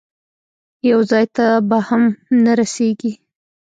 یو ځای ته به هم نه رسېږي.